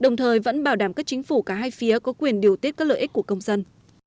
giảm các chính phủ cả hai phía có quyền điều tiết các lợi ích của công dân